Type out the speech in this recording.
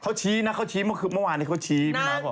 เขาชี้นะเขาชี้เมื่อวานนี้เขาชี้มาบอก